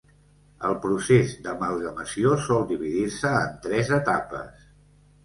El procés d'amalgamació sol dividir-se en tres etapes.